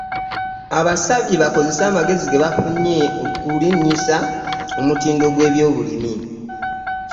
Abasabye bakozese amagezi ge bafunye okulinnyisa omutindo gw'ebyobulimi